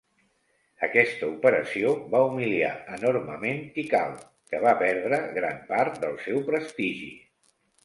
Aquesta operació va humiliar enormement Tikal, que va perdre gran part del seu prestigi.